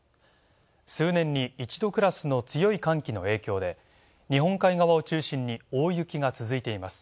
数年に一度クラスの強い寒気の影響で日本海側を中心に大雪が続いています。